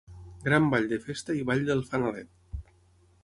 Gran ball de festa i ball del fanalet.